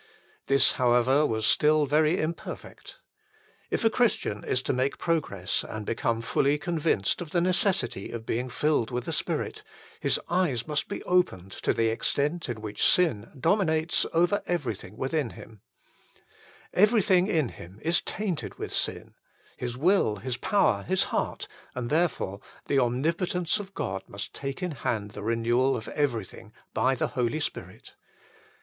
This, however, was still very imperfect. If a Christian is to make progress and become fully convinced of the necessity of being filled with the Spirit, his eyes must be opened to the extent in which sin dominates over everything within him. HOW EVERYTHING MUST BE GIVEN UP 171 Everything in him is tainted with sin, his will, his power, his heart ; and therefore the omni potence of God must take in hand the renewal of everything by the Holy Spirit.